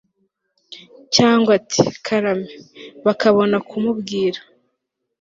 cyangwa ati «karame» , bakabona kumubwira